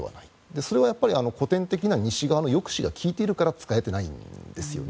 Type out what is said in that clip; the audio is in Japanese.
それはやっぱり古典的な西側の抑止が利いているから使えないんですよね。